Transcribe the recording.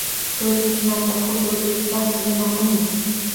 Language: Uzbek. Toʻrtinchi marta?! Xoʻsh, Oʻzbekiston sizga ma’qulmi?